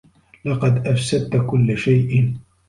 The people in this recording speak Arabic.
لقد أفسدت كل شيء.